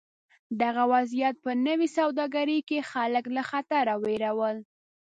دغه وضعیت په نوې سوداګرۍ کې خلک له خطره وېرول.